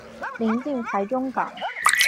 临近台中港。